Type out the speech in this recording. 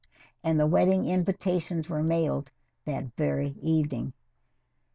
And the wedding invitations were mailed that very evening.